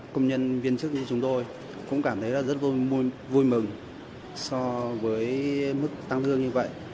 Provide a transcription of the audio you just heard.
công nhân viên chức như chúng tôi cũng cảm thấy là rất vui mừng so với mức tăng lương như vậy